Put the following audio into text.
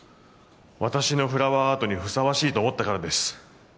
私のフラワーアートにふさわしいと思ったからです。